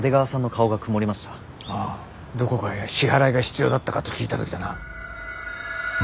ああどこかへ支払いが必要だったかと聞いた時だな。